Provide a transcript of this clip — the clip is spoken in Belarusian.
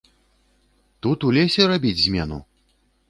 Тут у лесе рабіць змену?